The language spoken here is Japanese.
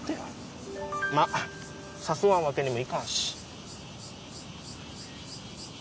まあ誘わんわけにもいかんし。